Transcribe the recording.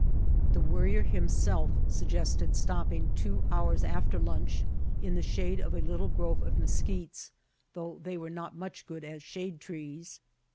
The Worrier himself suggested stopping two hours after lunch in the shade of a little grove of mesquites, though they were not much good The Burning Sands as shade trees.